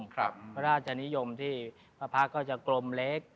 พระราชนิยมที่พระพักก็จะกลมเล็ก